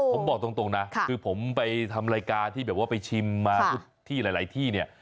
ผมบอกตรงนะคือผมไปทำรายการที่แบบว่าไปชิมมาทุกที่หลายที่เนี่ย